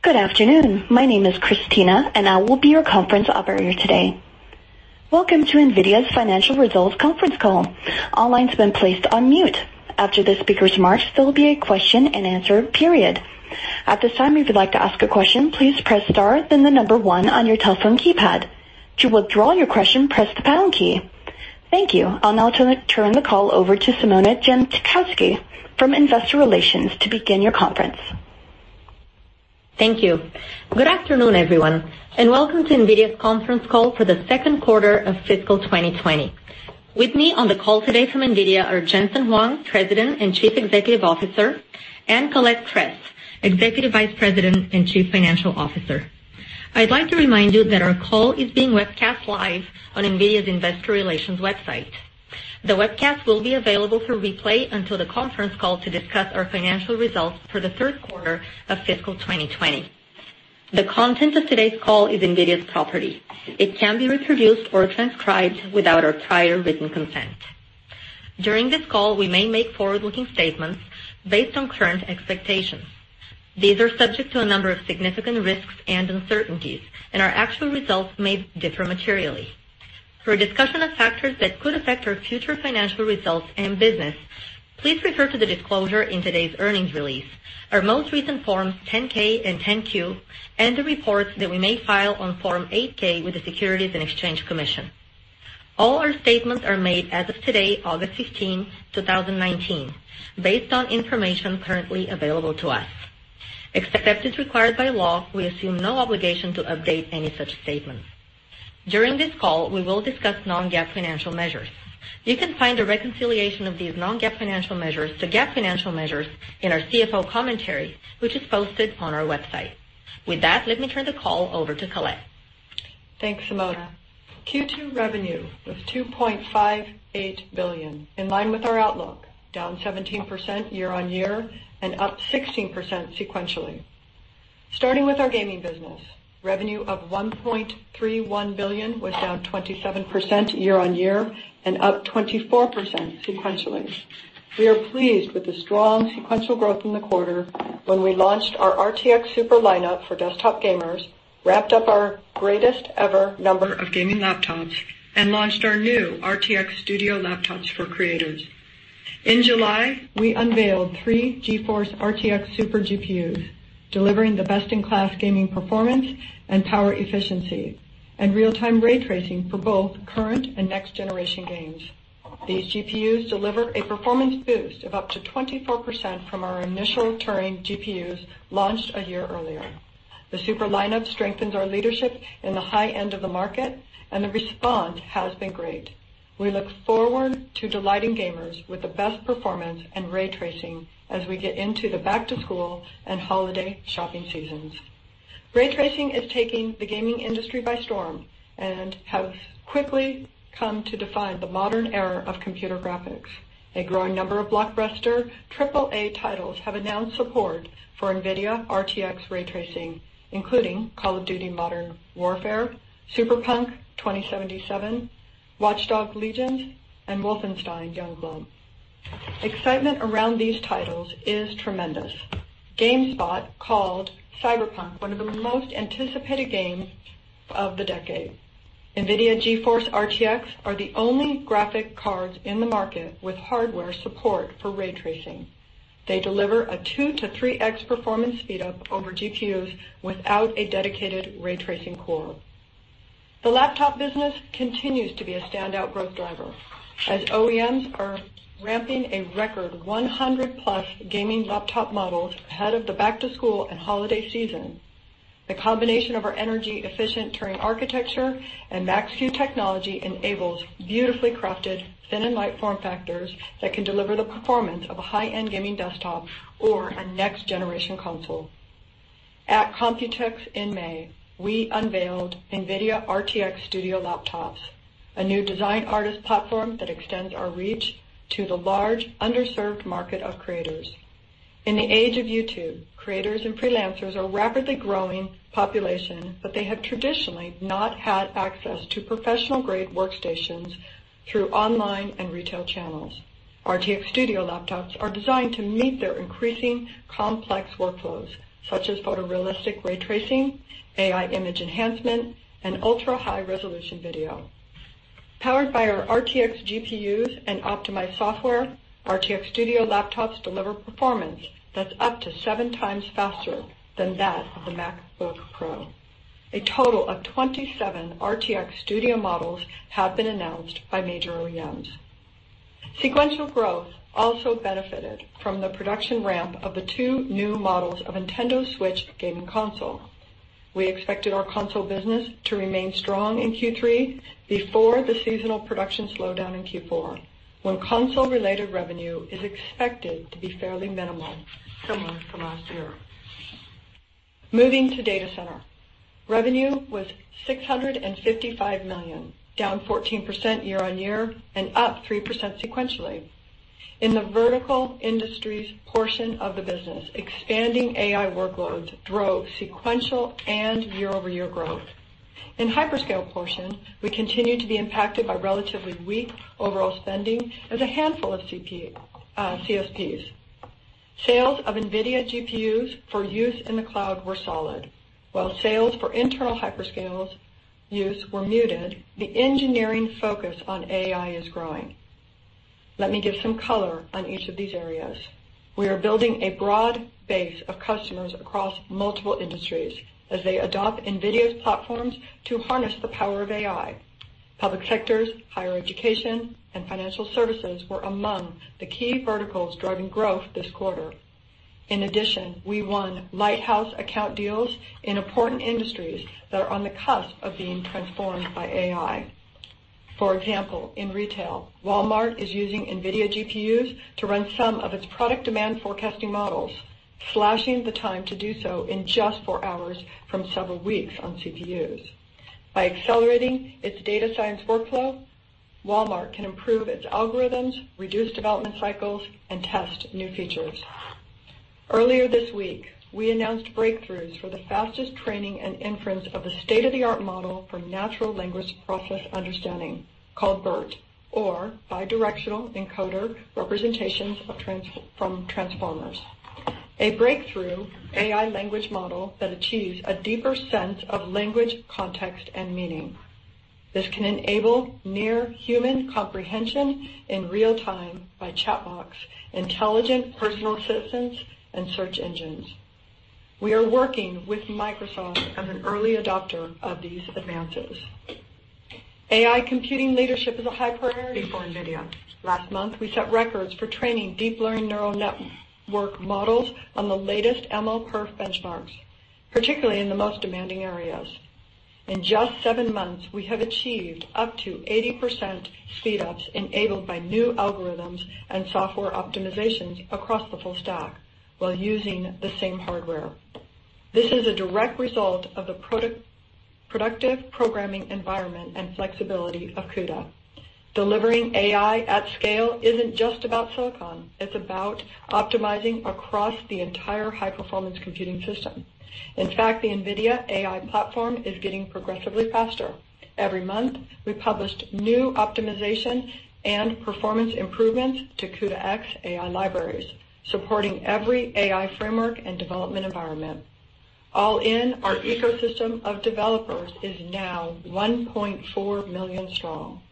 Good afternoon. My name is Christina, and I will be your conference operator today. Welcome to NVIDIA's Financial Results Conference Call. All lines have been placed on mute. After the speakers march, there will be a question-and-answer period. At this time, if you'd like to ask a question, please press star, then the number 1 on your telephone keypad. To withdraw your question, press the pound key. Thank you. I'll now turn the call over to Simona Jankowski from Investor Relations to begin your conference. Thank you. Good afternoon, everyone, and welcome to NVIDIA's conference call for the second quarter of fiscal 2020. With me on the call today from NVIDIA are Jensen Huang, President and Chief Executive Officer, and Colette Kress, Executive Vice President and Chief Financial Officer. I'd like to remind you that our call is being webcast live on NVIDIA's investor relations website. The webcast will be available for replay until the conference call to discuss our financial results for the third quarter of fiscal 2020. The content of today's call is NVIDIA's property. It can't be reproduced or transcribed without our prior written consent. During this call, we may make forward-looking statements based on current expectations. These are subject to a number of significant risks and uncertainties, and our actual results may differ materially. For a discussion of factors that could affect our future financial results and business, please refer to the disclosure in today's earnings release, our most recent Forms 10-K and 10-Q, and the reports that we may file on Form 8-K with the Securities and Exchange Commission. All our statements are made as of today, August 15, 2019, based on information currently available to us. Except as required by law, we assume no obligation to update any such statements. During this call, we will discuss non-GAAP financial measures. You can find a reconciliation of these non-GAAP financial measures to GAAP financial measures in our CFO commentary, which is posted on our website. With that, let me turn the call over to Colette. Thanks, Simona. Q2 revenue was $2.58 billion, in line with our outlook, down 17% year-on-year and up 16% sequentially. Starting with our gaming business, revenue of $1.31 billion was down 27% year-on-year and up 24% sequentially. We are pleased with the strong sequential growth in the quarter when we launched our RTX SUPER lineup for desktop gamers, wrapped up our greatest-ever number of gaming laptops, and launched our new RTX Studio laptops for creators. In July, we unveiled 3 GeForce RTX SUPER GPUs, delivering the best-in-class gaming performance and power efficiency and real-time ray tracing for both current and next-generation games. These GPUs deliver a performance boost of up to 24% from our initial Turing GPUs launched a year earlier. The SUPER lineup strengthens our leadership in the high end of the market, and the response has been great. We look forward to delighting gamers with the best performance in ray tracing as we get into the back-to-school and holiday shopping seasons. Ray tracing is taking the gaming industry by storm and has quickly come to define the modern era of computer graphics. A growing number of blockbuster triple-A titles have announced support for NVIDIA RTX ray tracing, including Call of Duty: Modern Warfare, Cyberpunk 2077, Watch Dogs: Legion, and Wolfenstein: Youngblood. Excitement around these titles is tremendous. GameSpot called Cyberpunk one of the most anticipated games of the decade. NVIDIA GeForce RTX are the only graphics cards in the market with hardware support for ray tracing. They deliver a 2x-3x performance speed-up over GPUs without a dedicated ray tracing core. The laptop business continues to be a standout growth driver as OEMs are ramping a record 100-plus gaming laptop models ahead of the back-to-school and holiday season. The combination of our energy-efficient Turing architecture and Max-Q technology enables beautifully crafted thin and light form factors that can deliver the performance of a high-end gaming desktop or a next-generation console. At Computex in May, we unveiled NVIDIA RTX Studio laptops, a new design artist platform that extends our reach to the large underserved market of creators. In the age of YouTube, creators and freelancers are a rapidly growing population, they have traditionally not had access to professional-grade workstations through online and retail channels. RTX Studio laptops are designed to meet their increasing complex workflows, such as photorealistic ray tracing, AI image enhancement, and ultra-high-resolution video. Powered by our RTX GPUs and optimized software, RTX Studio laptops deliver performance that's up to seven times faster than that of the MacBook Pro. A total of 27 RTX Studio models have been announced by major OEMs. Sequential growth also benefited from the production ramp of the two new models of Nintendo Switch gaming console. We expected our console business to remain strong in Q3 before the seasonal production slowdown in Q4, when console-related revenue is expected to be fairly minimal similar from last year. Moving to data center. Revenue was $655 million, down 14% year-on-year and up 3% sequentially. In the vertical industries portion of the business, expanding AI workloads drove sequential and year-over-year growth. In hyperscale portion, we continued to be impacted by relatively weak overall spending as a handful of CSPs. Sales of NVIDIA GPUs for use in the cloud were solid, while sales for internal hyperscale use were muted. The engineering focus on AI is growing. Let me give some color on each of these areas. We are building a broad base of customers across multiple industries as they adopt NVIDIA's platforms to harness the power of AI. Public sectors, higher education, and financial services were among the key verticals driving growth this quarter. In addition, we won lighthouse account deals in important industries that are on the cusp of being transformed by AI. For example, in retail, Walmart is using NVIDIA GPUs to run some of its product demand forecasting models, slashing the time to do so in just four hours from several weeks on CPUs. By accelerating its data science workflow, Walmart can improve its algorithms, reduce development cycles, and test new features. Earlier this week, we announced breakthroughs for the fastest training and inference of a state-of-the-art model for natural language process understanding called BERT, or Bidirectional Encoder Representations from Transformers. A breakthrough AI language model that achieves a deeper sense of language, context, and meaning. This can enable near-human comprehension in real time by chatbots, intelligent personal assistants, and search engines. We are working with Microsoft as an early adopter of these advances. AI computing leadership is a high priority for NVIDIA. Last month, we set records for training deep learning neural network models on the latest MLPerf benchmarks, particularly in the most demanding areas. In just seven months, we have achieved up to 80% speedups enabled by new algorithms and software optimizations across the full stack while using the same hardware. This is a direct result of the productive programming environment and flexibility of CUDA. Delivering AI at scale isn't just about silicon, it's about optimizing across the entire high-performance computing system. In fact, the NVIDIA AI platform is getting progressively faster. Every month, we published new optimization and performance improvements to CUDA-X AI libraries, supporting every AI framework and development environment. All in our ecosystem of developers is now 1.4 million strong.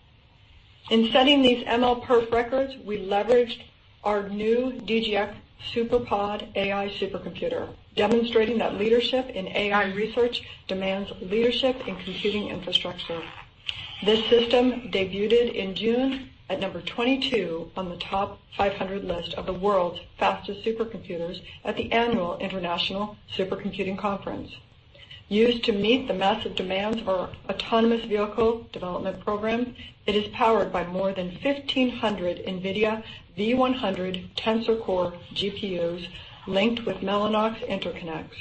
In setting these MLPerf records, we leveraged our new DGX SuperPOD AI supercomputer, demonstrating that leadership in AI research demands leadership in computing infrastructure. This system debuted in June at number 22 on the top 500 list of the world's fastest supercomputers at the annual International Supercomputing Conference. Used to meet the massive demands for autonomous vehicle development programs, it is powered by more than 1,500 NVIDIA V100 Tensor Core GPUs linked with Mellanox interconnects.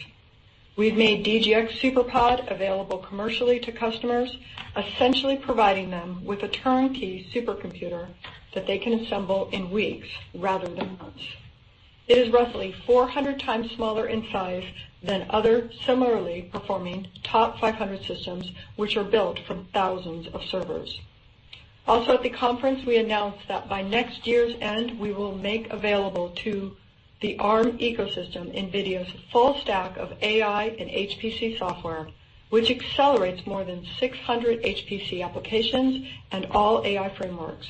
We've made DGX SuperPOD available commercially to customers, essentially providing them with a turnkey supercomputer that they can assemble in weeks rather than months. It is roughly 400 times smaller in size than other similarly performing top 500 systems, which are built from thousands of servers. Also at the conference, we announced that by next year's end, we will make available to the Arm ecosystem NVIDIA's full stack of AI and HPC software, which accelerates more than 600 HPC applications and all AI frameworks.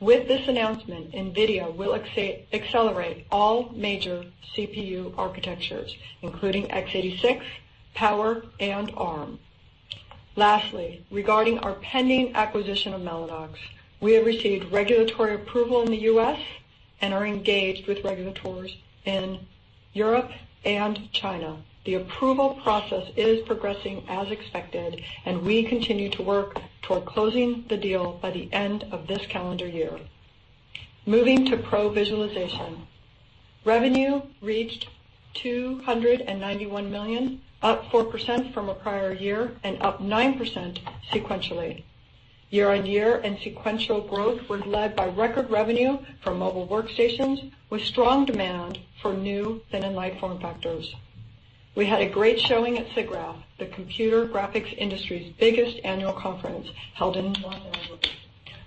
With this announcement, NVIDIA will accelerate all major CPU architectures, including x86, Power, and Arm. Lastly, regarding our pending acquisition of Mellanox, we have received regulatory approval in the U.S. and are engaged with regulators in Europe and China. The approval process is progressing as expected, we continue to work toward closing the deal by the end of this calendar year. Moving to pro visualization. Revenue reached $291 million, up 4% from a prior year and up 9% sequentially. Year on year and sequential growth were led by record revenue from mobile workstations with strong demand for new thin and light form factors. We had a great showing at SIGGRAPH, the computer graphics industry's biggest annual conference held in Los Angeles.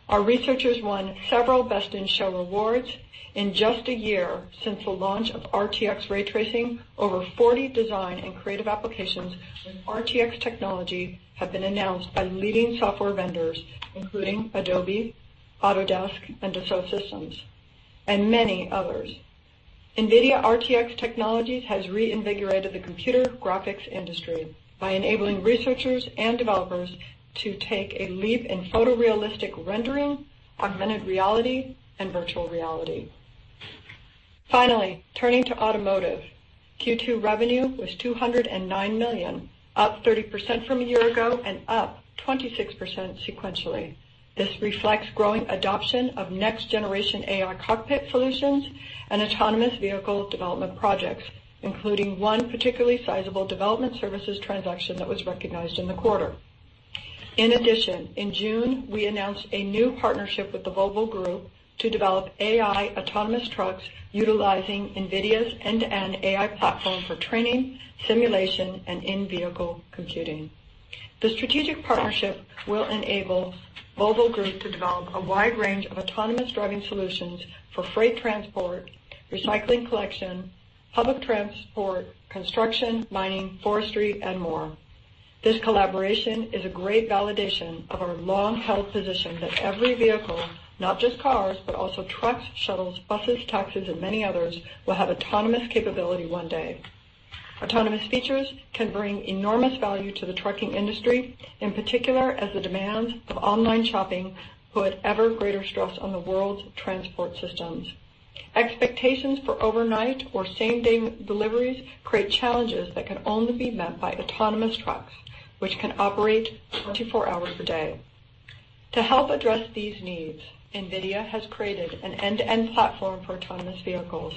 Our researchers won several Best in Show awards. In just a year since the launch of RTX ray tracing, over 40 design and creative applications with RTX technology have been announced by leading software vendors, including Adobe, Autodesk, and Dassault Systèmes, and many others. NVIDIA RTX technologies has reinvigorated the computer graphics industry by enabling researchers and developers to take a leap in photorealistic rendering, augmented reality, and virtual reality. Finally, turning to automotive. Q2 revenue was $209 million, up 30% from a year ago and up 26% sequentially. This reflects growing adoption of next generation AI cockpit solutions and autonomous vehicle development projects, including one particularly sizable development services transaction that was recognized in the quarter. In addition, in June, we announced a new partnership with the Volvo Group to develop AI autonomous trucks utilizing NVIDIA's end-to-end AI platform for training, simulation, and in-vehicle computing. The strategic partnership will enable Volvo Group to develop a wide range of autonomous driving solutions for freight transport, recycling collection, public transport, construction, mining, forestry, and more. This collaboration is a great validation of our long-held position that every vehicle, not just cars, but also trucks, shuttles, buses, taxis, and many others, will have autonomous capability one day. Autonomous features can bring enormous value to the trucking industry, in particular, as the demands of online shopping put ever greater stress on the world's transport systems. Expectations for overnight or same-day deliveries create challenges that can only be met by autonomous trucks, which can operate 24 hours a day. To help address these needs, NVIDIA has created an end-to-end platform for autonomous vehicles,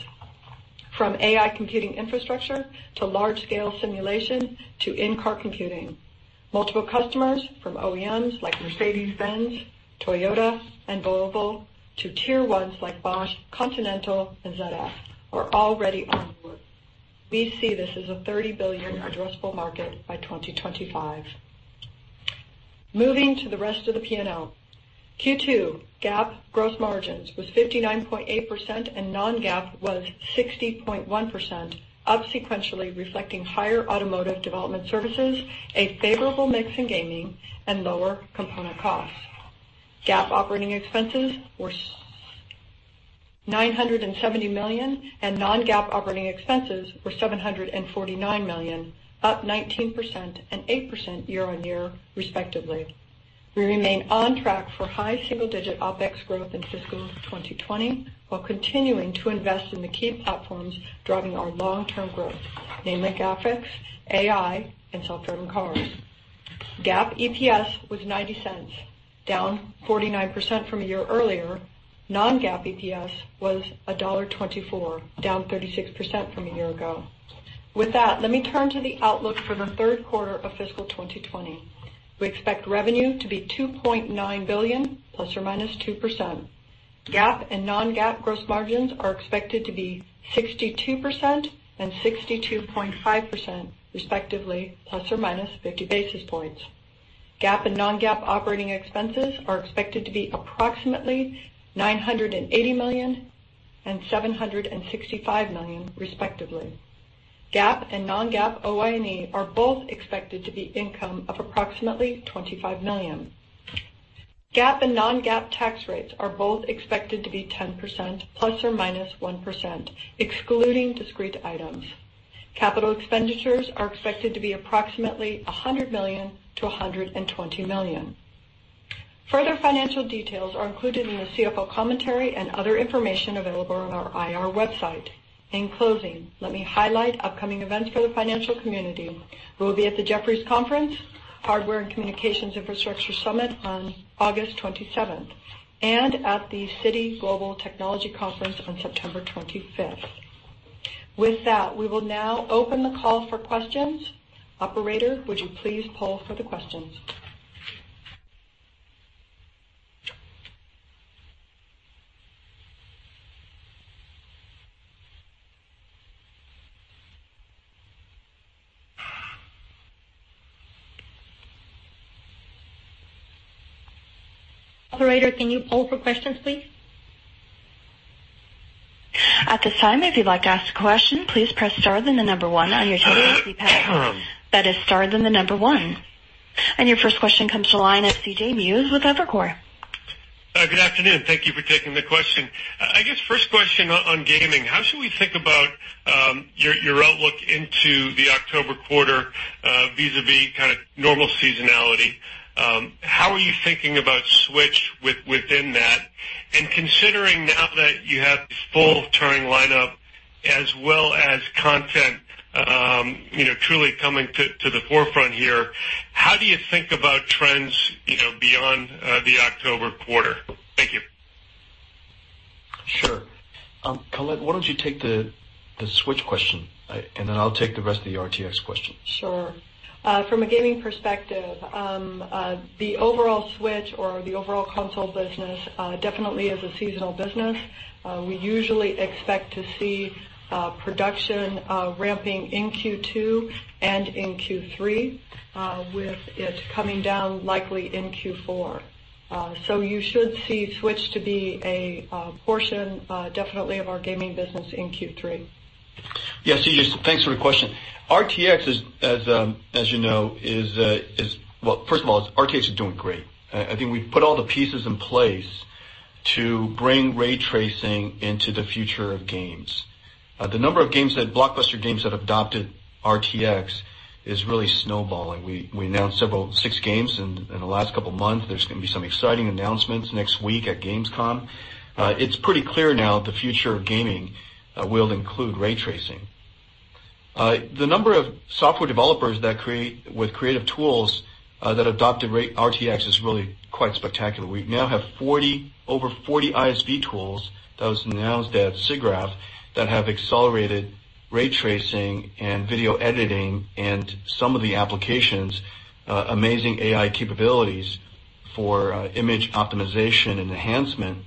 from AI computing infrastructure to large-scale simulation to in-car computing. Multiple customers from OEMs like Mercedes-Benz, Toyota, and Volvo, to tier 1s like Bosch, Continental, and ZF are already on board. We see this as a $30 billion addressable market by 2025. Moving to the rest of the P&L. Q2 GAAP gross margins was 59.8% and non-GAAP was 60.1%, up sequentially reflecting higher automotive development services, a favorable mix in gaming, and lower component costs. GAAP operating expenses were $970 million and non-GAAP operating expenses were $749 million, up 19% and 8% year-on-year, respectively. We remain on track for high single-digit OPEX growth in fiscal 2020, while continuing to invest in the key platforms driving our long-term growth, namely graphics, AI, and self-driving cars. GAAP EPS was $0.90, down 49% from a year earlier. non-GAAP EPS was $1.24, down 36% from a year ago. With that, let me turn to the outlook for the third quarter of fiscal 2020. We expect revenue to be $2.9 billion ±2%. GAAP and non-GAAP gross margins are expected to be 62% and 62.5%, respectively, ±50 basis points. GAAP and non-GAAP operating expenses are expected to be approximately $980 million and $765 million, respectively. GAAP and non-GAAP OIE are both expected to be income of approximately $25 million. GAAP and non-GAAP tax rates are both expected to be 10% ±1%, excluding discrete items. Capital expenditures are expected to be approximately $100 million-$120 million. Further financial details are included in the CFO commentary and other information available on our IR website. In closing, let me highlight upcoming events for the financial community. We will be at the Jefferies Conference, Hardware and Communications Infrastructure Summit on August 27th, and at the Citi Global Technology Conference on September 25th. With that, we will now open the call for questions. Operator, would you please poll for the questions? Operator, can you poll for questions, please? At this time, if you'd like to ask a question, please press star then the number one on your telephone keypad. That is star then the number one. Your first question comes to the line at C.J. Muse with Evercore. Good afternoon. Thank you for taking the question. I guess first question on gaming, how should we think about your outlook into the October quarter vis-a-vis normal seasonality? How are you thinking about Switch within that? Considering now that you have this full Turing lineup as well as content truly coming to the forefront here, how do you think about trends beyond the October quarter? Thank you. Sure. Colette, why don't you take the Switch question, and then I'll take the rest of the RTX questions. Sure. From a gaming perspective, the overall Switch or the overall console business definitely is a seasonal business. We usually expect to see production ramping in Q2 and in Q3, with it coming down likely in Q4. You should see Switch to be a portion, definitely of our gaming business in Q3. Yeah, C.J., thanks for the question. RTX, as you know, well, first of all, RTX is doing great. I think we've put all the pieces in place to bring ray tracing into the future of games. The number of blockbuster games that have adopted RTX is really snowballing. We announced six games in the last couple of months. There's going to be some exciting announcements next week at Gamescom. It's pretty clear now the future of gaming will include ray tracing. The number of software developers with creative tools that adopted RTX is really quite spectacular. We now have over 40 ISV tools that was announced at SIGGRAPH that have accelerated Ray tracing and video editing and some of the applications, amazing AI capabilities for image optimization and enhancement,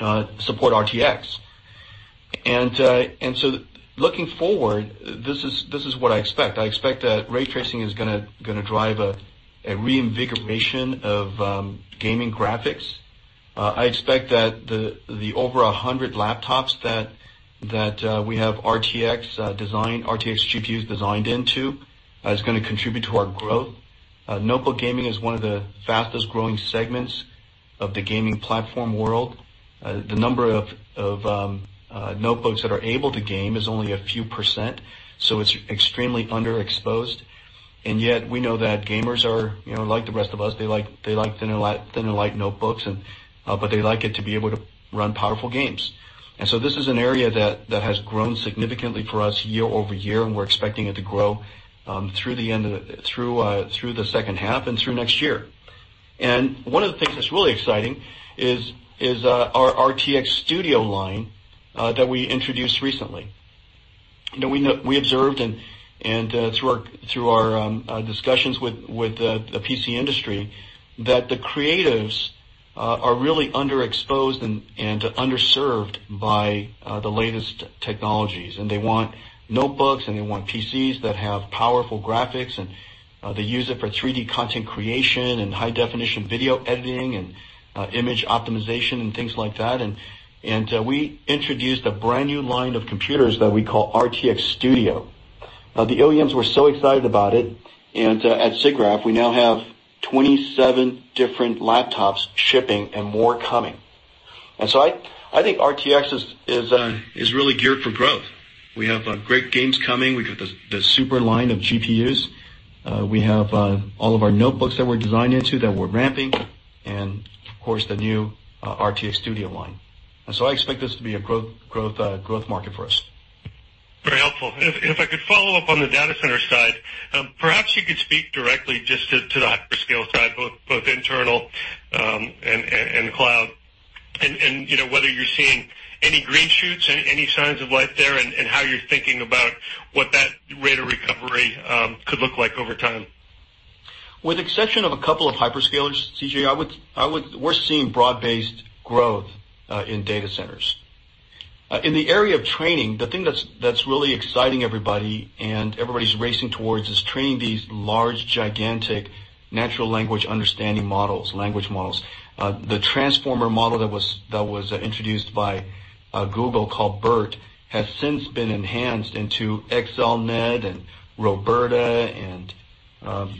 support RTX. Looking forward, this is what I expect. I expect that ray tracing is going to drive a reinvigoration of gaming graphics. I expect that the over 100 laptops that we have RTX GPUs designed into, is going to contribute to our growth. Notebook gaming is one of the fastest-growing segments of the gaming platform world. The number of notebooks that are able to game is only a few %, so it's extremely underexposed. Yet we know that gamers are like the rest of us. They like thin and light notebooks, but they like it to be able to run powerful games. This is an area that has grown significantly for us year-over-year, and we're expecting it to grow through the second half and through next year. One of the things that's really exciting is our RTX Studio line that we introduced recently. We observed and through our discussions with the PC industry, that the creatives are really underexposed and underserved by the latest technologies. They want notebooks and they want PCs that have powerful graphics, and they use it for 3D content creation and high-definition video editing and image optimization and things like that. We introduced a brand new line of computers that we call RTX Studio. The OEMs were so excited about it. At SIGGRAPH, we now have 27 different laptops shipping and more coming. I think RTX is really geared for growth. We have great games coming. We've got the super line of GPUs. We have all of our notebooks that were designed into that we're ramping, and of course, the new RTX Studio line. I expect this to be a growth market for us. Very helpful. If I could follow up on the data center side, perhaps you could speak directly just to the hyperscale side, both internal and cloud, and whether you're seeing any green shoots, any signs of life there, and how you're thinking about what that rate of recovery could look like over time. With exception of a couple of hyperscalers, C.J., we're seeing broad-based growth in data centers. In the area of training, the thing that's really exciting everybody and everybody's racing towards, is training these large, gigantic natural language understanding models, language models. The transformer model that was introduced by Google called BERT, has since been enhanced into XLNet and RoBERTa and,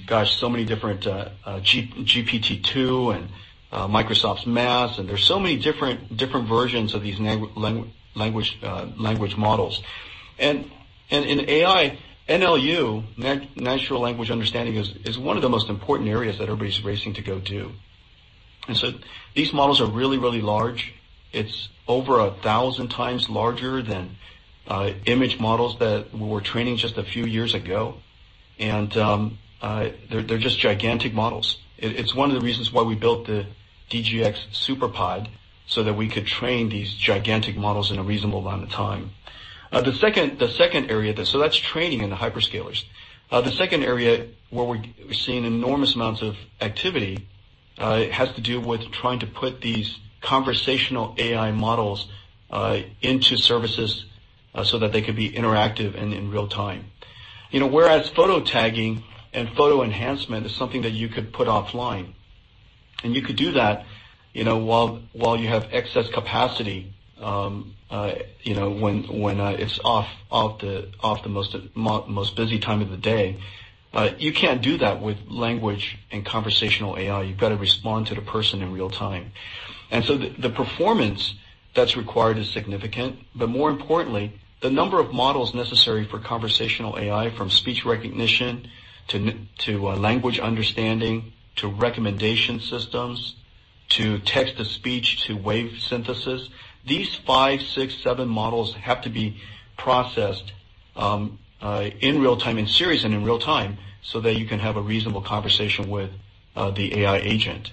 gosh, so many different, GPT-2 and Microsoft's MASS. There's so many different versions of these language models. In AI, NLU, natural language understanding, is one of the most important areas that everybody's racing to go to. These models are really, really large. It's over 1,000 times larger than image models that we were training just a few years ago. They're just gigantic models. It's one of the reasons why we built the DGX SuperPOD so that we could train these gigantic models in a reasonable amount of time. That's training in the hyperscalers. The second area where we're seeing enormous amounts of activity, has to do with trying to put these conversational AI models into services so that they could be interactive and in real time. Whereas photo tagging and photo enhancement is something that you could put offline, and you could do that while you have excess capacity, when it's off the most busy time of the day. You can't do that with language and conversational AI. You've got to respond to the person in real time. The performance that's required is significant. More importantly, the number of models necessary for conversational AI, from speech recognition to language understanding, to recommendation systems, to text-to-speech, to wave synthesis. These five, six, seven models have to be processed in real time, in series and in real time, so that you can have a reasonable conversation with the AI agent.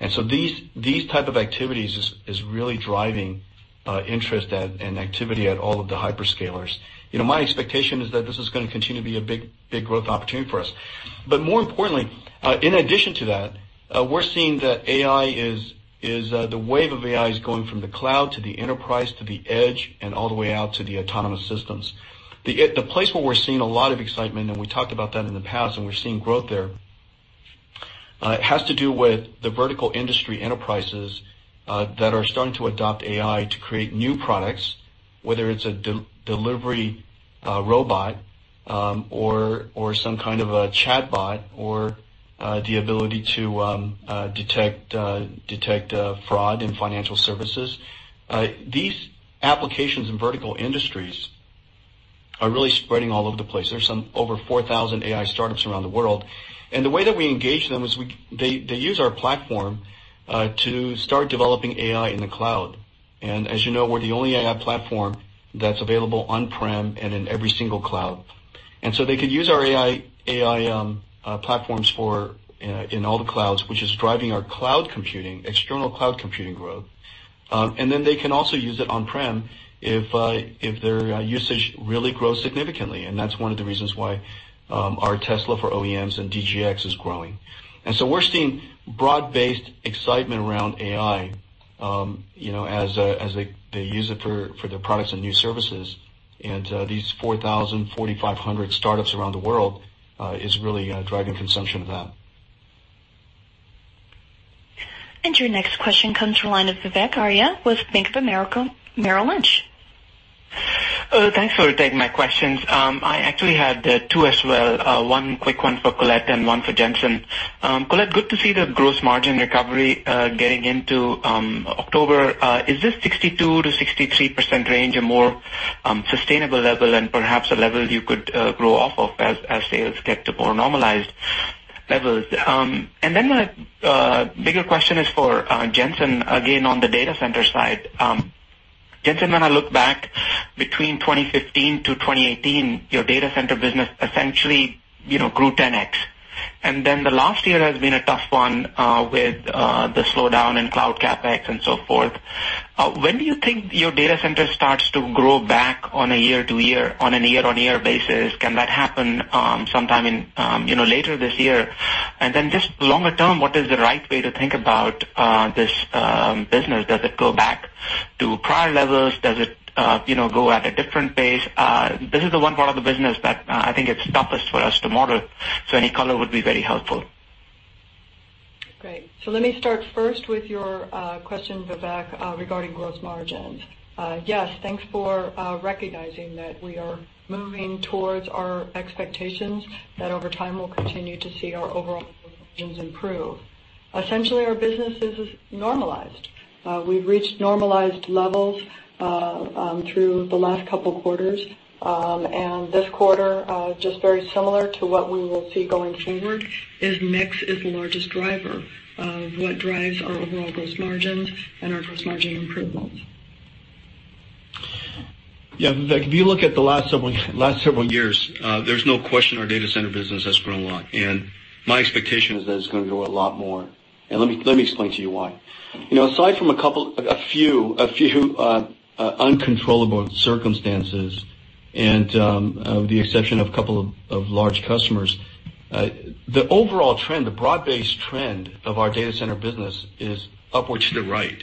These type of activities is really driving interest and activity at all of the hyperscalers. My expectation is that this is going to continue to be a big growth opportunity for us. More importantly, in addition to that, we're seeing that the wave of AI is going from the cloud to the enterprise, to the edge, and all the way out to the autonomous systems. The place where we're seeing a lot of excitement, and we talked about that in the past, and we're seeing growth there, has to do with the vertical industry enterprises that are starting to adopt AI to create new products, whether it's a delivery robot or some kind of a chatbot, or the ability to detect fraud in financial services. These applications in vertical industries are really spreading all over the place. There's over 4,000 AI startups around the world. The way that we engage them is they use our platform to start developing AI in the cloud. As you know, we're the only AI platform that's available on-prem and in every single cloud. They could use our AI platforms in all the clouds, which is driving our external cloud computing growth. They can also use it on-prem if their usage really grows significantly. That's one of the reasons why our Tesla for OEMs and DGX is growing. We're seeing broad-based excitement around AI as they use it for their products and new services. These 4,000, 4,500 startups around the world is really driving consumption of that. Your next question comes from the line of Vivek Arya with Bank of America Merrill Lynch. Thanks for taking my questions. I actually had two as well, one quick one for Colette and one for Jensen. Colette, good to see the gross margin recovery getting into October. Is this 62%-63% range a more sustainable level and perhaps a level you could grow off of as sales get to more normalized levels? My bigger question is for Jensen, again, on the data center side. Jensen, when I look back between 2015-2018, your data center business essentially grew 10x, the last year has been a tough one with the slowdown in cloud CapEx and so forth. When do you think your data center starts to grow back on a year-on-year basis? Can that happen sometime later this year? Just longer term, what is the right way to think about this business? Does it go back to prior levels? Does it go at a different pace? This is the one part of the business that I think is toughest for us to model, so any color would be very helpful. Great. Let me start first with your question, Vivek, regarding gross margins. Yes, thanks for recognizing that we are moving towards our expectations that over time we will continue to see our overall margins improve. Essentially, our business is normalized. We've reached normalized levels through the last couple of quarters. This quarter, just very similar to what we will see going forward, is mix is the largest driver of what drives our overall gross margins and our gross margin improvements. Yeah, Vivek, if you look at the last several years, there's no question our data center business has grown a lot, and my expectation is that it's going to grow a lot more. Let me explain to you why. Aside from a few uncontrollable circumstances and with the exception of a couple of large customers, the overall trend, the broad-based trend of our data center business is upwards to the right,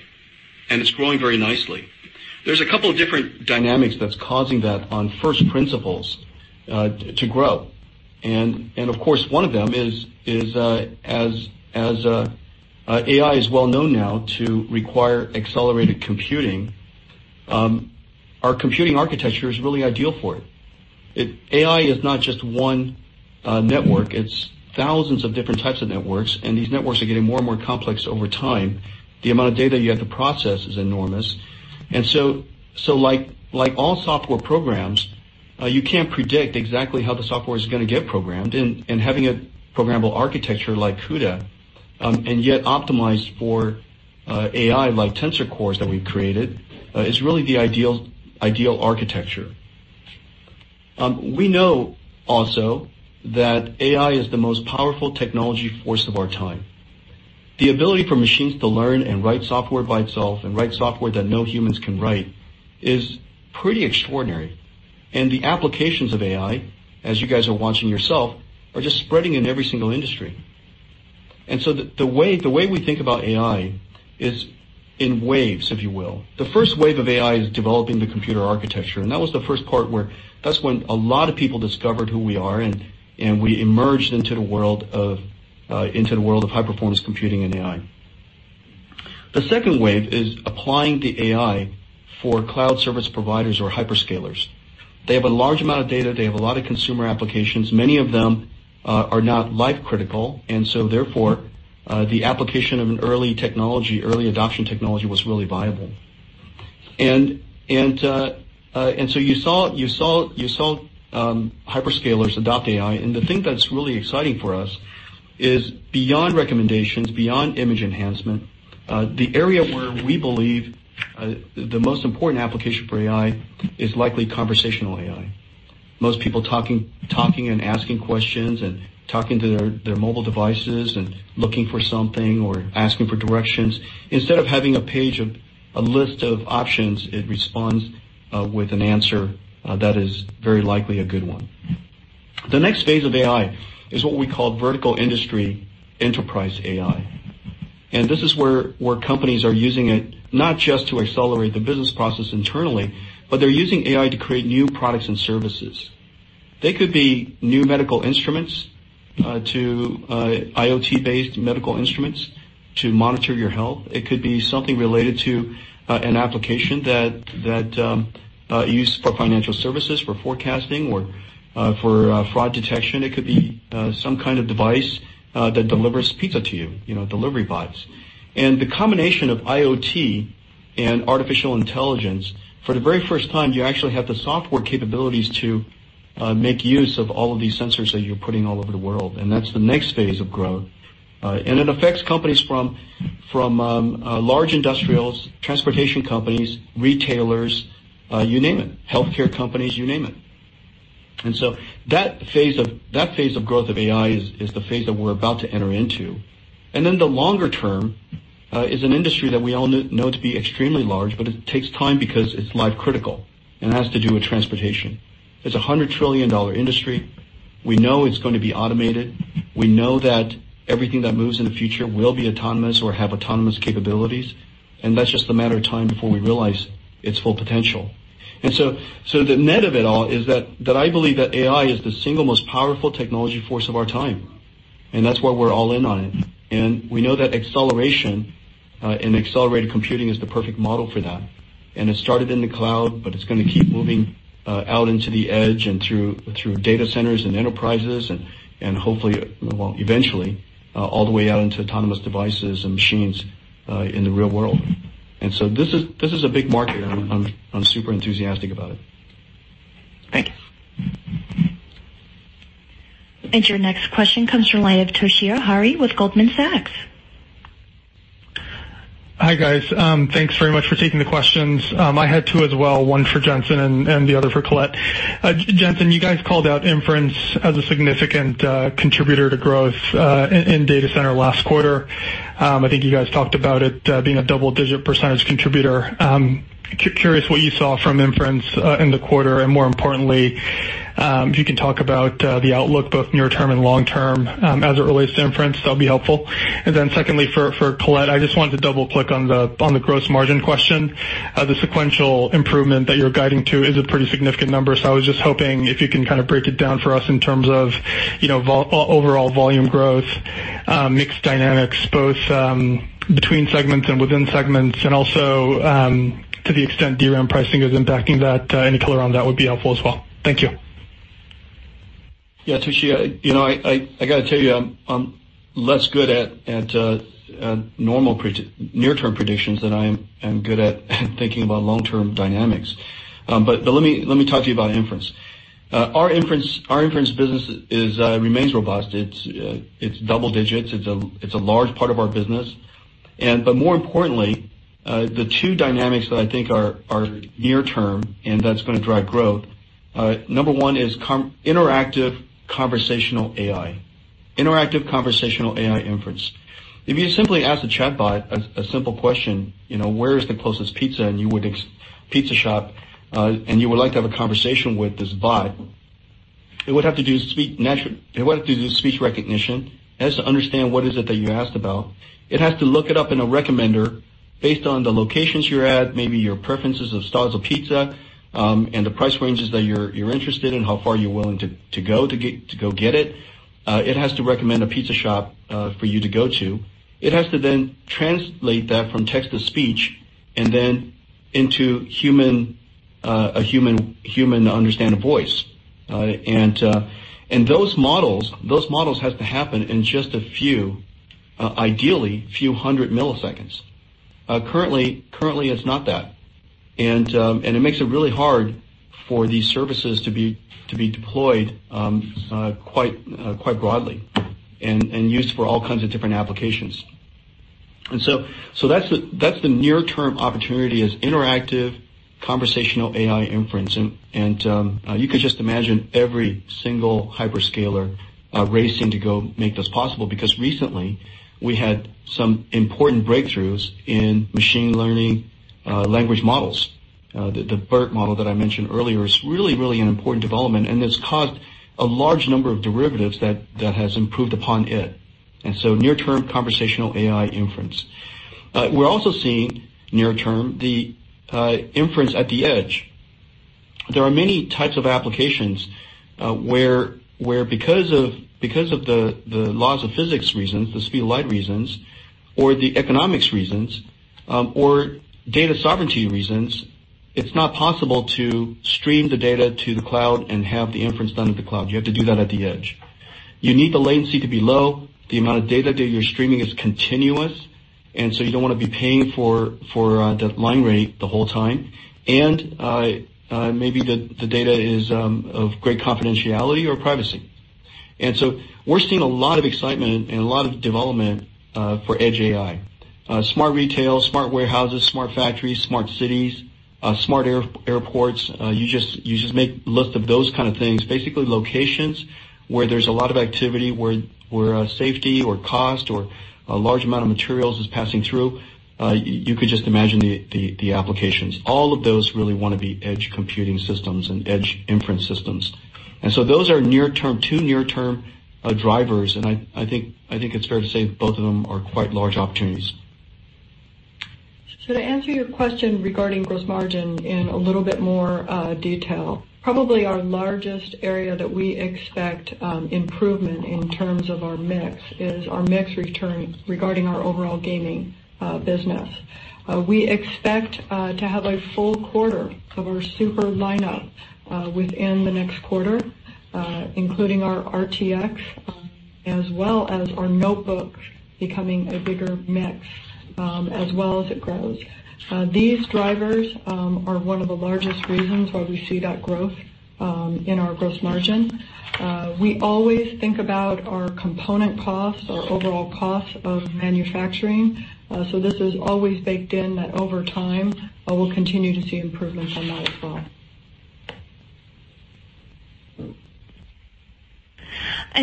and it's growing very nicely. There's a couple of different dynamics that's causing that on first principles to grow. Of course, one of them is as AI is well known now to require accelerated computing, our computing architecture is really ideal for it. AI is not just one network, it's thousands of different types of networks, and these networks are getting more and more complex over time. The amount of data you have to process is enormous. Like all software programs, you can't predict exactly how the software is going to get programmed, and having a programmable architecture like CUDA, and yet optimized for AI like Tensor Cores that we've created, is really the ideal architecture. We know also that AI is the most powerful technology force of our time. The ability for machines to learn and write software by itself and write software that no humans can write is pretty extraordinary. The applications of AI, as you guys are watching yourself, are just spreading in every single industry. The way we think about AI is in waves, if you will. The first wave of AI is developing the computer architecture, and that was the first part where that's when a lot of people discovered who we are, and we emerged into the world of high-performance computing and AI. The second wave is applying the AI for cloud service providers or hyperscalers. They have a large amount of data. They have a lot of consumer applications. Many of them are not life-critical, and so therefore, the application of an early adoption technology was really viable. You saw hyperscalers adopt AI. The thing that's really exciting for us is beyond recommendations, beyond image enhancement, the area where we believe the most important application for AI is likely conversational AI. Most people talking and asking questions and talking to their mobile devices and looking for something or asking for directions. Instead of having a page of a list of options, it responds with an answer that is very likely a good one. The next phase of AI is what we call vertical industry enterprise AI. This is where companies are using it not just to accelerate the business process internally, but they're using AI to create new products and services. They could be new medical instruments to IoT-based medical instruments to monitor your health. It could be something related to an application that you use for financial services, for forecasting, or for fraud detection. It could be some kind of device that delivers pizza to you, delivery bots. The combination of IoT and artificial intelligence, for the very first time, you actually have the software capabilities to make use of all of these sensors that you're putting all over the world. That's the next phase of growth. It affects companies from large industrials, transportation companies, retailers, you name it. Healthcare companies, you name it. That phase of growth of AI is the phase that we're about to enter into. The longer term is an industry that we all know to be extremely large, but it takes time because it's life-critical, and it has to do with transportation. It's a $100 trillion industry. We know it's going to be automated. We know that everything that moves in the future will be autonomous or have autonomous capabilities, and that's just a matter of time before we realize its full potential. The net of it all is that I believe that AI is the single most powerful technology force of our time, and that's why we're all in on it. We know that acceleration and accelerated computing is the perfect model for that. It started in the cloud, but it's going to keep moving out into the edge and through data centers and enterprises and hopefully, well, eventually, all the way out into autonomous devices and machines in the real world. This is a big market. I'm super enthusiastic about it. Thank you. Your next question comes from the line of Toshiya Hari with Goldman Sachs. Hi, guys. Thanks very much for taking the questions. I had two as well, one for Jensen and the other for Colette. Jensen, you guys called out inference as a significant contributor to growth in data center last quarter. I think you guys talked about it being a double-digit percentage contributor. Curious what you saw from inference in the quarter, and more importantly, if you can talk about the outlook, both near term and long term, as it relates to inference, that'll be helpful. Secondly, for Colette, I just wanted to double-click on the gross margin question. The sequential improvement that you're guiding to is a pretty significant number. I was just hoping if you can break it down for us in terms of overall volume growth, mix dynamics, both between segments and within segments, and also to the extent DRAM pricing is impacting that. Any color on that would be helpful as well. Thank you. Yeah. Toshiya, I got to tell you, I'm less good at normal near-term predictions than I am good at thinking about long-term dynamics. Let me talk to you about inference. Our inference business remains robust. It's double digits. It's a large part of our business. More importantly, the two dynamics that I think are near term, and that's going to drive growth, number 1 is interactive conversational AI. Interactive conversational AI inference. If you simply ask the chatbot a simple question, "Where is the closest pizza shop?" You would like to have a conversation with this bot. It would have to do speech recognition. It has to understand what is it that you asked about. It has to look it up in a recommender based on the locations you're at, maybe your preferences of styles of pizza, and the price ranges that you're interested in, how far you're willing to go to go get it. It has to recommend a pizza shop for you to go to. It has to then translate that from text to speech and then into a human understandable voice. Those models have to happen in just, ideally, a few hundred milliseconds. Currently, it's not that. It makes it really hard for these services to be deployed quite broadly and used for all kinds of different applications. That's the near-term opportunity is interactive conversational AI inference. You could just imagine every single hyperscaler racing to go make this possible because recently, we had some important breakthroughs in machine learning language models. The BERT model that I mentioned earlier is really an important development. It's caused a large number of derivatives that has improved upon it. We're seeing near term, conversational AI inference. We're also seeing near term, the inference at the edge. There are many types of applications where because of the laws of physics reasons, the speed of light reasons, or the economics reasons, or data sovereignty reasons, it's not possible to stream the data to the cloud and have the inference done in the cloud. You have to do that at the edge. You need the latency to be low. The amount of data that you're streaming is continuous. You don't want to be paying for that line rate the whole time. Maybe the data is of great confidentiality or privacy. We're seeing a lot of excitement and a lot of development for edge AI. Smart retail, smart warehouses, smart factories, smart cities, smart airports. You just make list of those kind of things, basically locations where there's a lot of activity where safety or cost or a large amount of materials is passing through. You could just imagine the applications. All of those really want to be edge computing systems and edge inference systems. Those are two near-term drivers, and I think it's fair to say both of them are quite large opportunities. To answer your question regarding gross margin in a little bit more detail. Probably our largest area that we expect improvement in terms of our mix is our mix return regarding our overall gaming business. We expect to have a full quarter of our SUPER lineup within the next quarter, including our RTX as well as our notebook becoming a bigger mix as well as it grows. These drivers are one of the largest reasons why we see that growth in our gross margin. We always think about our component costs, our overall cost of manufacturing. This is always baked in that over time, we'll continue to see improvements on that as well.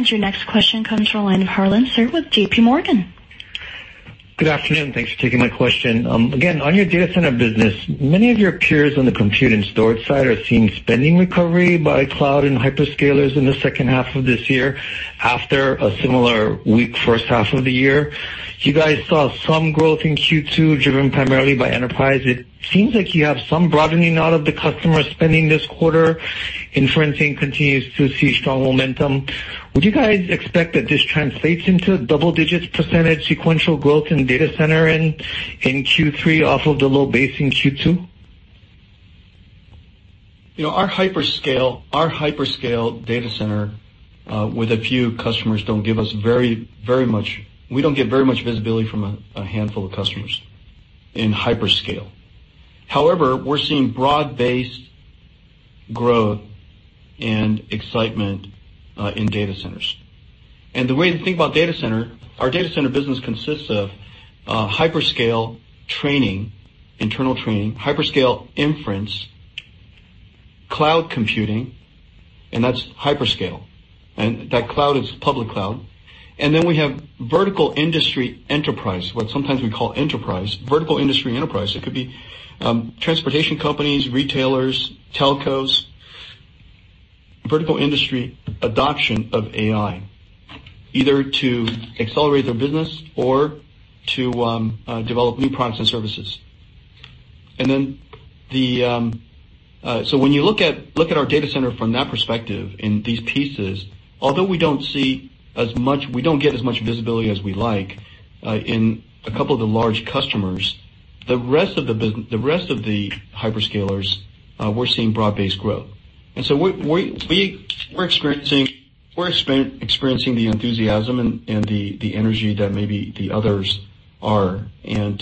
Your next question comes from the line of Harlan Sur with JPMorgan. Good afternoon. Thanks for taking my question. Again, on your data center business, many of your peers on the compute and storage side are seeing spending recovery by cloud and hyperscalers in the second half of this year after a similar weak first half of the year. You guys saw some growth in Q2 driven primarily by enterprise. It seems like you have some broadening out of the customer spending this quarter. Inferencing continues to see strong momentum. Would you guys expect that this translates into double digits percentage sequential growth in data center in Q3 off of the low base in Q2? Our hyperscale data center with a few customers don't give us very much. We don't get very much visibility from a handful of customers in hyperscale. However, we're seeing broad-based growth and excitement in data centers. The way to think about data center, our data center business consists of hyperscale training, internal training, hyperscale inference, cloud computing, and that's hyperscale. That cloud is public cloud. We have vertical industry enterprise, what sometimes we call enterprise. Vertical industry enterprise. It could be transportation companies, retailers, telcos. Vertical industry adoption of AI, either to accelerate their business or to develop new products and services. When you look at our data center from that perspective in these pieces, although we don't get as much visibility as we like in a couple of the large customers, the rest of the hyperscalers, we're seeing broad-based growth. We're experiencing the enthusiasm and the energy that maybe the others are. We'll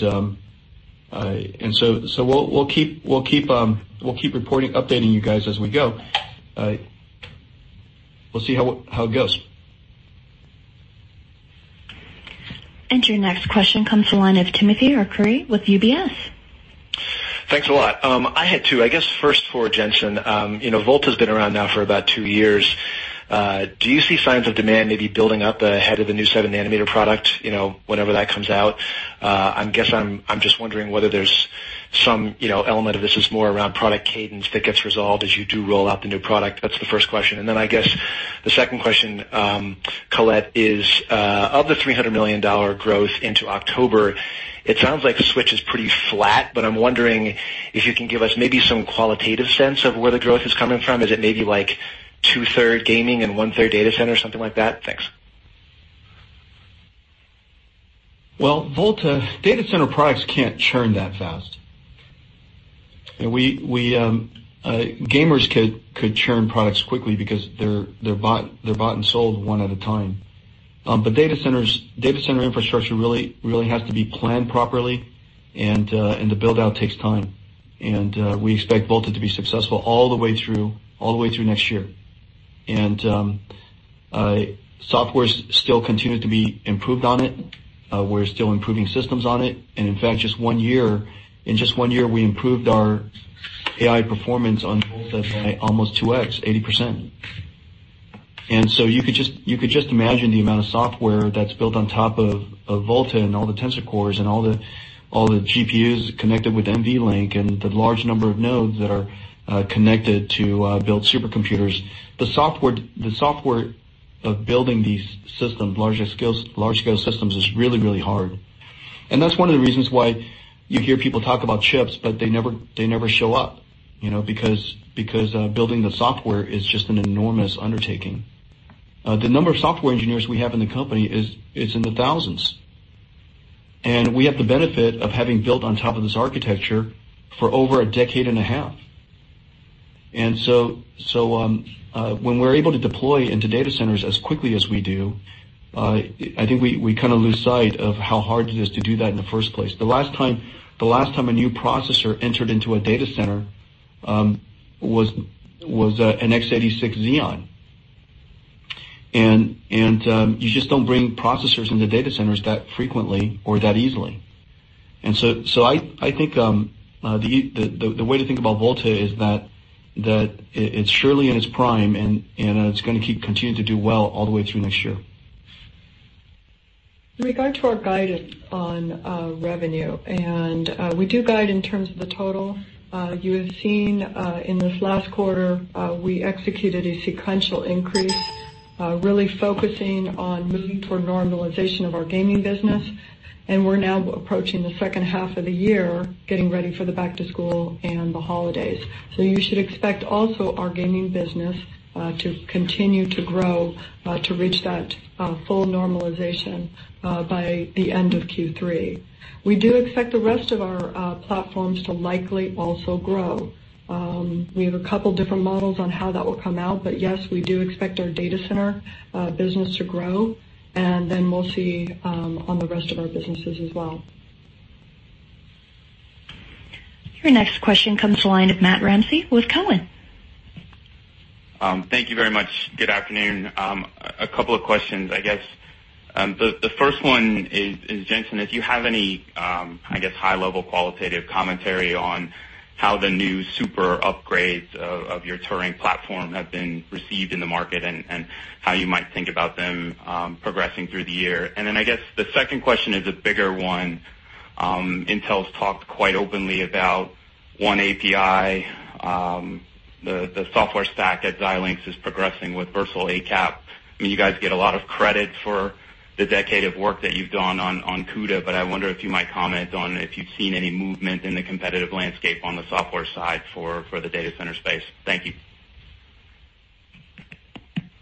keep updating you guys as we go. We'll see how it goes. Your next question comes to the line of Timothy Arcuri with UBS. Thanks a lot. I had two, I guess, first for Jensen. Volta's been around now for about two years. Do you see signs of demand maybe building up ahead of the new seven nanometer product, whenever that comes out? I guess, I'm just wondering whether there's some element of this is more around product cadence that gets resolved as you do roll out the new product. That's the first question. I guess the second question, Colette, is of the $300 million growth into October, it sounds like switch is pretty flat, but I'm wondering if you can give us maybe some qualitative sense of where the growth is coming from. Is it maybe like two-third gaming and one-third data center or something like that? Thanks. Well, data center products can't churn that fast. Gamers could churn products quickly because they're bought and sold one at a time. Data center infrastructure really has to be planned properly, and the build-out takes time. We expect Volta to be successful all the way through next year. Software's still continues to be improved on it. We're still improving systems on it. In fact, in just one year, we improved our AI performance on Volta by almost 2x, 80%. You could just imagine the amount of software that's built on top of Volta and all the Tensor Cores and all the GPUs connected with NVLink, and the large number of nodes that are connected to build supercomputers. The software of building these systems, large-scale systems, is really, really hard. That's one of the reasons why you hear people talk about chips, but they never show up, because building the software is just an enormous undertaking. The number of software engineers we have in the company is in the thousands. We have the benefit of having built on top of this architecture for over a decade and a half. When we're able to deploy into data centers as quickly as we do, I think we kind of lose sight of how hard it is to do that in the first place. The last time a new processor entered into a data center was an x86 Xeon. You just don't bring processors into data centers that frequently or that easily. I think the way to think about Volta is that it's surely in its prime, and it's going to keep continuing to do well all the way through next year. In regard to our guidance on revenue, and we do guide in terms of the total. You have seen in this last quarter we executed a sequential increase, really focusing on moving toward normalization of our gaming business, and we're now approaching the second half of the year, getting ready for the back to school and the holidays. You should expect also our gaming business to continue to grow to reach that full normalization by the end of Q3. We do expect the rest of our platforms to likely also grow. We have a couple different models on how that will come out, but yes, we do expect our data center business to grow, and then we'll see on the rest of our businesses as well. Your next question comes to the line of Matthew Ramsay with Cowen. Thank you very much. Good afternoon. A couple of questions, I guess. The first one is, Jensen, if you have any high level qualitative commentary on how the new SUPER upgrades of your Turing platform have been received in the market, and how you might think about them progressing through the year. Then, the second question is a bigger one. Intel's talked quite openly about oneAPI, the software stack at Xilinx is progressing with Versal ACAP. You guys get a lot of credit for the decade of work that you've done on CUDA, I wonder if you might comment on if you've seen any movement in the competitive landscape on the software side for the data center space. Thank you.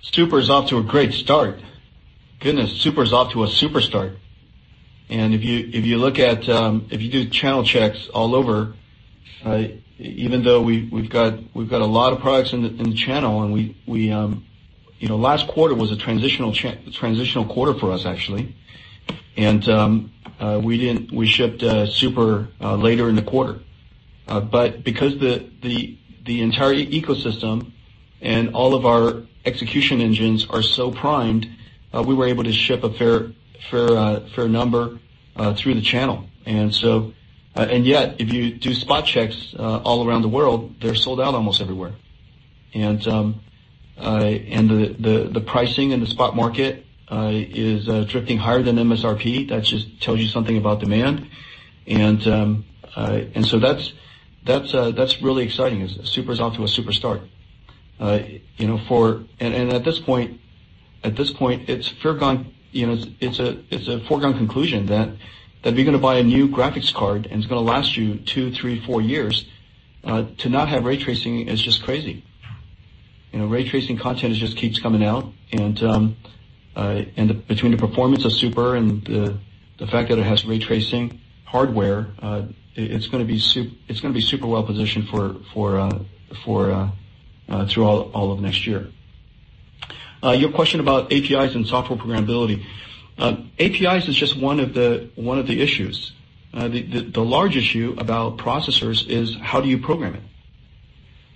SUPER is off to a great start. Goodness, SUPER is off to a super start. If you do channel checks all over, even though we've got a lot of products in the channel, and last quarter was a transitional quarter for us, actually. We shipped SUPER later in the quarter. Because the entire ecosystem and all of our execution engines are so primed, we were able to ship a fair number through the channel. Yet, if you do spot checks all around the world, they're sold out almost everywhere. The pricing in the spot market is drifting higher than MSRP. That just tells you something about demand. That's really exciting, is SUPER's off to a super start. At this point, it's a foregone conclusion that if you're going to buy a new graphics card, and it's going to last you two, three, four years, to not have ray tracing is just crazy. Ray tracing content just keeps coming out. Between the performance of SUPER and the fact that it has ray tracing hardware, it's going to be super well positioned through all of next year. Your question about APIs and software programmability. APIs is just one of the issues. The large issue about processors is how do you program it?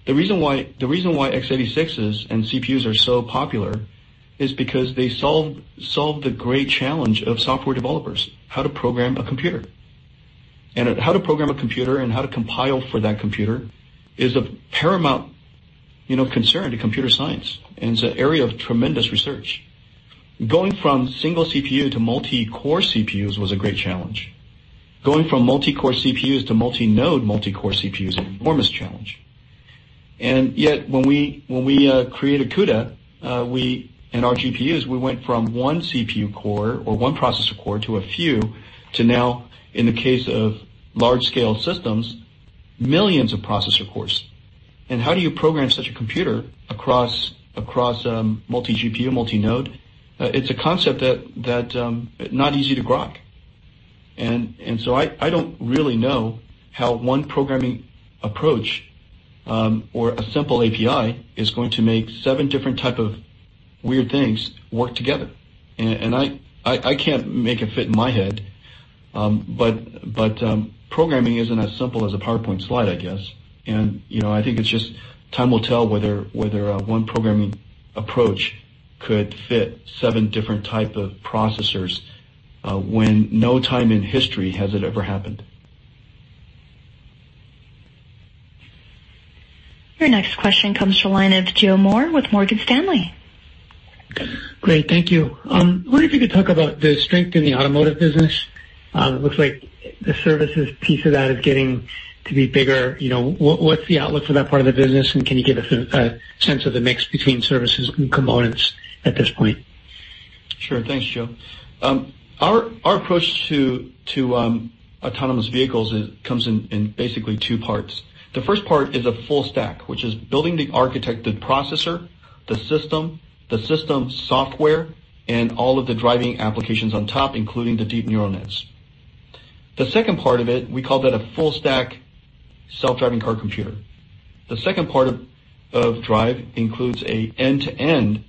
The reason why x86s and CPUs are so popular is because they solve the great challenge of software developers, how to program a computer. How to program a computer and how to compile for that computer is of paramount concern to computer science, and it's an area of tremendous research. Going from single CPU to multi-core CPUs was a great challenge. Going from multi-core CPUs to multi-node multi-core CPU is an enormous challenge. Yet, when we created CUDA in our GPUs, we went from one CPU core or one processor core to a few, to now, in the case of large scale systems, millions of processor cores. How do you program such a computer across multi GPU, multi-node? It's a concept that not easy to grok. So I don't really know how one programming approach or a simple API is going to make 7 different type of weird things work together. I can't make it fit in my head. Programming isn't as simple as a PowerPoint slide, I guess. I think it's just time will tell whether one programming approach could fit 7 different type of processors, when no time in history has it ever happened. Your next question comes to line of Joseph Moore with Morgan Stanley. Great. Thank you. I wonder if you could talk about the strength in the automotive business. It looks like the services piece of that is getting to be bigger. What's the outlook for that part of the business, and can you give us a sense of the mix between services and components at this point? Sure. Thanks, Joe. Our approach to autonomous vehicles comes in basically two parts. The first part is a full stack, which is building the architected processor, the system, the system software, and all of the driving applications on top, including the deep neural nets. The second part of it, we call that a full stack self-driving car computer. The second part of Drive includes a end-to-end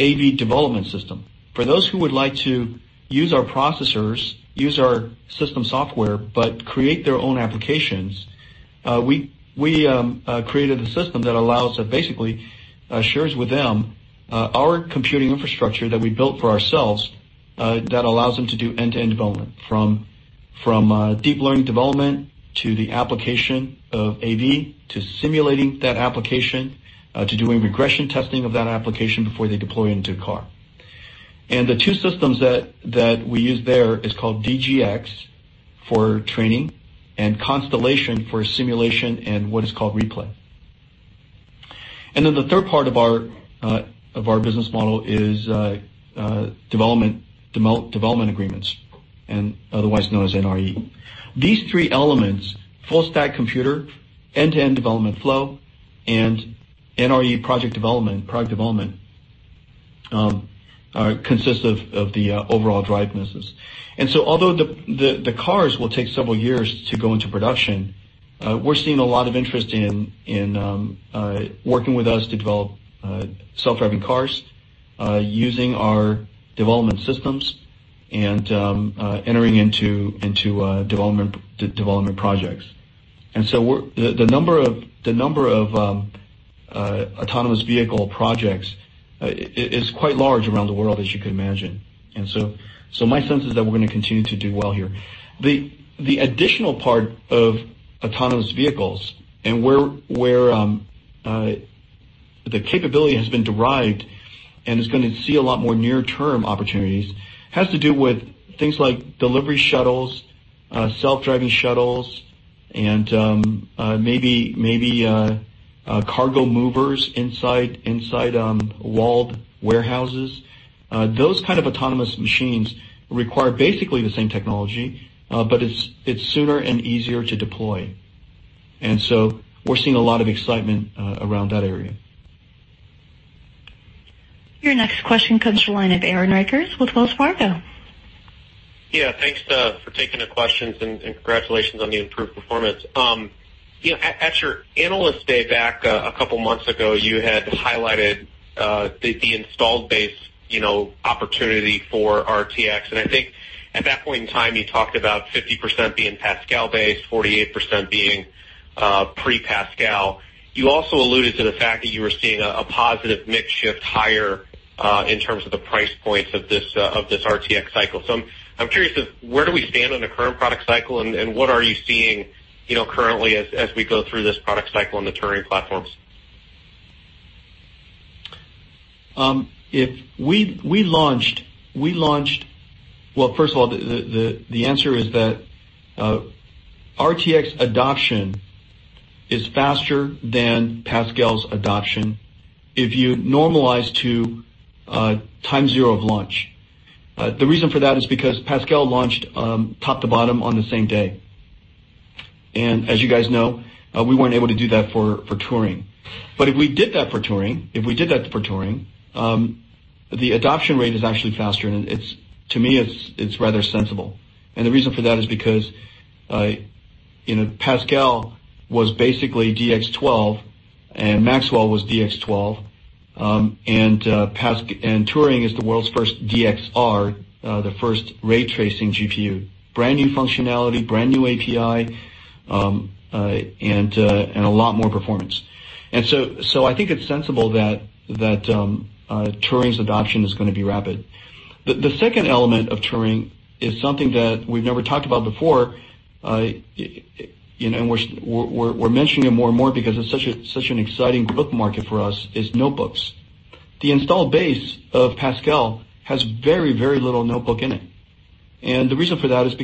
AV development system. For those who would like to use our processors, use our system software, but create their own applications, we created a system that allows, that basically shares with them our computing infrastructure that we built for ourselves that allows them to do end-to-end development, from deep learning development to the application of AV, to simulating that application, to doing regression testing of that application before they deploy it into a car. The two systems that we use there is called DGX for training and Constellation for simulation and what is called replay. The third part of our business model is development agreements, and otherwise known as NRE. These three elements, full stack computer, end-to-end development flow, and NRE project development consists of the overall DRIVE business. Although the cars will take several years to go into production, we're seeing a lot of interest in working with us to develop self-driving cars using our development systems and entering into development projects. The number of autonomous vehicle projects is quite large around the world, as you can imagine. My sense is that we're going to continue to do well here. The additional part of autonomous vehicles and where the capability has been derived and is going to see a lot more near term opportunities, has to do with things like delivery shuttles, self-driving shuttles, and maybe cargo movers inside walled warehouses. Those kind of autonomous machines require basically the same technology, but it's sooner and easier to deploy. We're seeing a lot of excitement around that area. Your next question comes from the line of Aaron Rakers with Wells Fargo. Yeah, thanks for taking the questions and congratulations on the improved performance. At your Analyst Day back a couple of months ago, you had highlighted the installed base opportunity for RTX. I think at that point in time, you talked about 50% being Pascal-based, 48% being pre-Pascal. You also alluded to the fact that you were seeing a positive mix shift higher in terms of the price points of this RTX cycle. I'm curious as where do we stand on the current product cycle, and what are you seeing currently as we go through this product cycle in the Turing platforms? Well, first of all, the answer is that RTX adoption is faster than Pascal's adoption if you normalize to time zero of launch. The reason for that is because Pascal launched top to bottom on the same day. As you guys know, we weren't able to do that for Turing. If we did that for Turing, the adoption rate is actually faster, and to me, it's rather sensible. The reason for that is because Pascal was basically DX12 and Maxwell was DX12, and Turing is the world's first DXR, the first ray tracing GPU. Brand new functionality, brand new API, and a lot more performance. I think it's sensible that Turing's adoption is going to be rapid. The second element of Turing is something that we've never talked about before, we're mentioning it more and more because it's such an exciting notebook market for us, is notebooks. The install base of Pascal has very little notebook in it. The reason for that is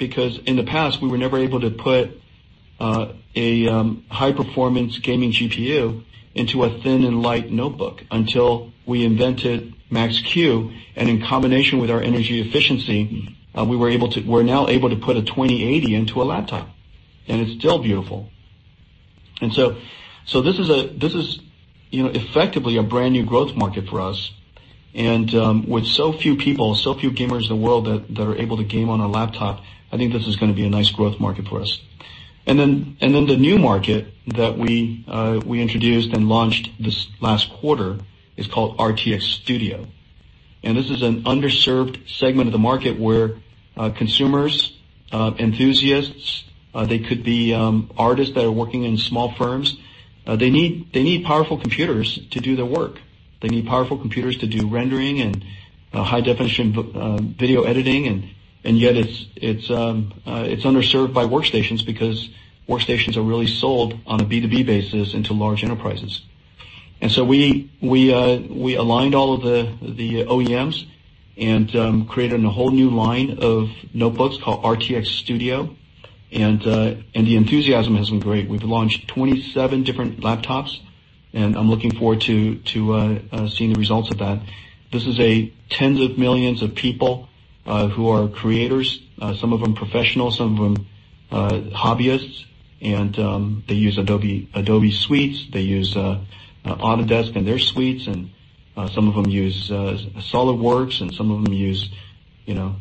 because in the past, we were never able to put a high-performance gaming GPU into a thin and light notebook until we invented Max-Q. In combination with our energy efficiency, we're now able to put a 2080 into a laptop, and it's still beautiful. This is effectively a brand new growth market for us, and with so few people, so few gamers in the world that are able to game on a laptop, I think this is going to be a nice growth market for us. The new market that we introduced and launched this last quarter is called RTX Studio. This is an underserved segment of the market where consumers, enthusiasts, they could be artists that are working in small firms, they need powerful computers to do their work. They need powerful computers to do rendering and high definition video editing, and yet it's underserved by workstations because workstations are really sold on a B2B basis into large enterprises. We aligned all of the OEMs and created a whole new line of notebooks called RTX Studio, and the enthusiasm has been great. We've launched 27 different laptops, and I'm looking forward to seeing the results of that. This is tens of millions of people who are creators, some of them professional, some of them hobbyists, and they use Adobe suites, they use Autodesk and their suites, and some of them use SOLIDWORKS, and some of them use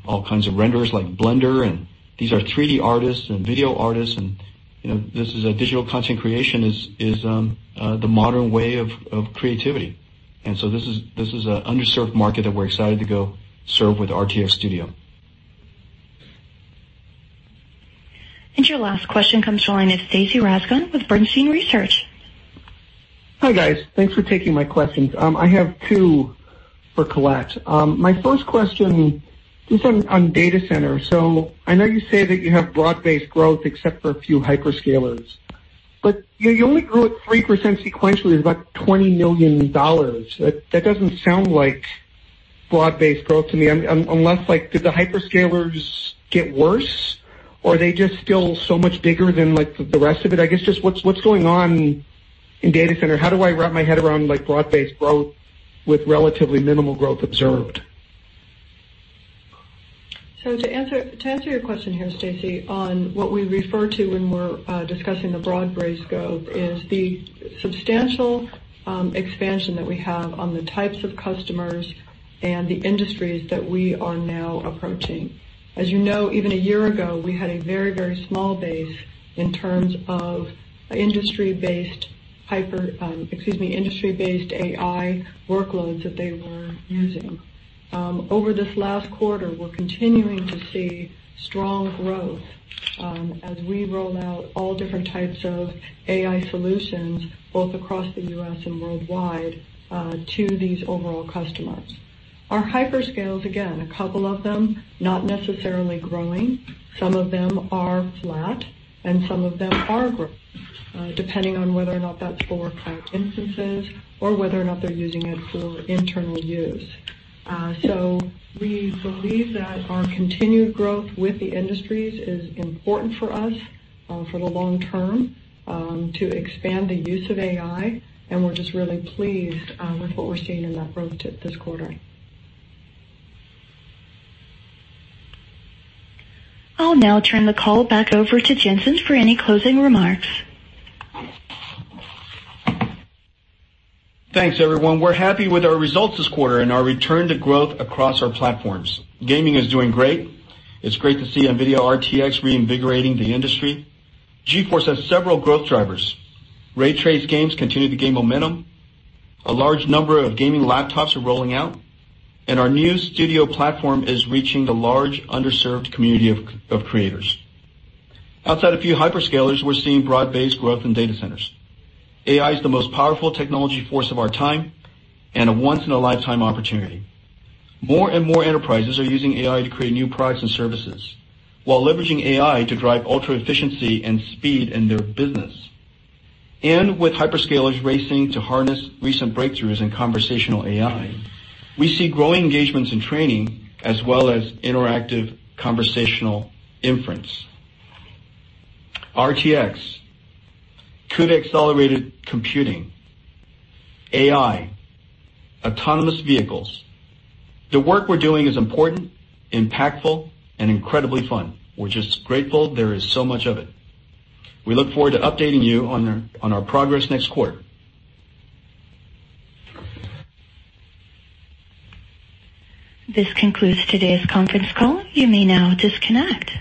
all kinds of renderers like Blender, and these are 3D artists and video artists, and digital content creation is the modern way of creativity. This is an underserved market that we're excited to go serve with RTX Studio. Your last question comes from the line of Stacy Rasgon with Bernstein Research. Hi, guys. Thanks for taking my questions. I have two for Colette. My first question is on data centers. I know you say that you have broad-based growth except for a few hyperscalers, but you only grew at 3% sequentially, it's about $20 million. That doesn't sound like broad-based growth to me. Did the hyperscalers get worse, or are they just still so much bigger than the rest of it? I guess, just what's going on in data center? How do I wrap my head around broad-based growth with relatively minimal growth observed? To answer your question here, Stacy, on what we refer to when we're discussing the broad-based growth is the substantial expansion that we have on the types of customers and the industries that we are now approaching. As you know, even a year ago, we had a very, very small base in terms of industry-based. Industry-based AI workloads that they were using. Over this last quarter, we're continuing to see strong growth as we roll out all different types of AI solutions, both across the U.S. and worldwide, to these overall customers. Our hyperscales, again, a couple of them not necessarily growing, some of them are flat, and some of them are growing, depending on whether or not that's for cloud instances or whether or not they're using it for internal use. We believe that our continued growth with the industries is important for us for the long term, to expand the use of AI, and we're just really pleased with what we're seeing in that growth this quarter. I'll now turn the call back over to Jensen for any closing remarks. Thanks, everyone. We're happy with our results this quarter and our return to growth across our platforms. Gaming is doing great. It's great to see NVIDIA RTX reinvigorating the industry. GeForce has several growth drivers. Ray-traced games continue to gain momentum. A large number of gaming laptops are rolling out, and our new Studio platform is reaching the large, underserved community of creators. Outside a few hyperscalers, we're seeing broad-based growth in data centers. AI is the most powerful technology force of our time and a once-in-a-lifetime opportunity. More and more enterprises are using AI to create new products and services while leveraging AI to drive ultra-efficiency and speed in their business. With hyperscalers racing to harness recent breakthroughs in conversational AI, we see growing engagements in training as well as interactive conversational inference. RTX, CUDA-accelerated computing, AI, autonomous vehicles. The work we're doing is important, impactful, and incredibly fun. We're just grateful there is so much of it. We look forward to updating you on our progress next quarter. This concludes today's conference call. You may now disconnect.